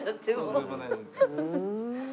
とんでもないです。